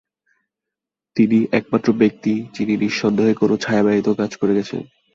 তিনি একমাত্র ব্যক্তি যিনি নিঃসন্দেহে কোন ছায়া ব্যতীত কাজ করে গেছেন।